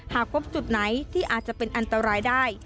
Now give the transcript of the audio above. หากพบจุดไหนที่อาจจะเป็นอันตรายได้